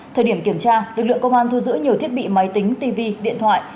thời điểm kiểm tra lực lượng công an thu giữ nhiều thiết bị máy tính tv điện thoại